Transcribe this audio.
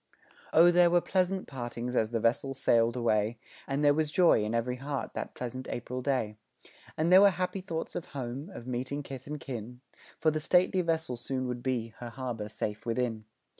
O there were pleasant partings as the vessel sail'd away, And there was joy in every heart that pleasant April day, And there were happy thoughts of home of meeting kith and kin, For the stately vessel soon would be her harbor safe within.